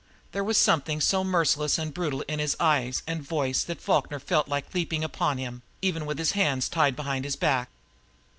There was something so merciless and brutal in his eyes and voice that Falkner felt like leaping upon him, even with his hands tied behind his back.